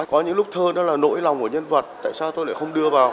có những lúc thơ đó là nỗi lòng của nhân vật tại sao tôi lại không đưa vào